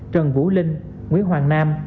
trần vũ linh nguyễn hoàng nam